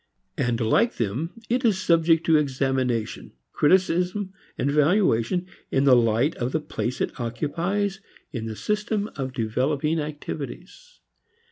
And like them it is subject to examination, criticism and valuation in the light of the place it occupies in the system of developing activities.